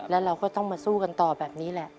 แล้วเราก็ต้องมาสู้กันต่อแบบนี้แหละ